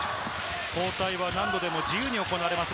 交代は何度でも自由に行われます。